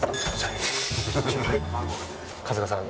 春日さん。